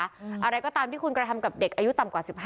อะไรก็ตามที่คุณกระทำกับเด็กอายุต่ำกว่า๑๕